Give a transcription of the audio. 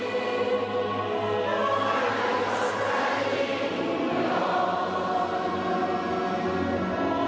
เทพธิ์ที่รักของเราอยู่บ้าน